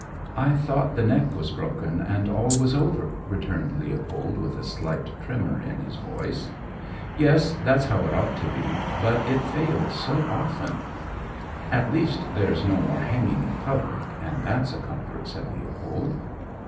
"I thought the neck was broken and all was over," returned Leopold, with a slight tremor in his voice. "Yes, that's how it ought to be; but it fails so often!" "At least there's no more hanging in public, and that's a comfort," said Leopold.